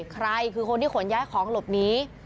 ใครคือคนที่ขนย้ายของหลบหนี